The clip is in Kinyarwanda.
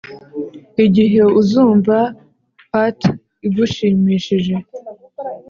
igihe uzumva part igushimishije